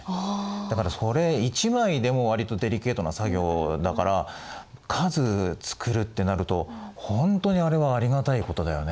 だからそれ一枚でもわりとデリケートな作業だから数作るってなるとほんとにあれはありがたいことだよね。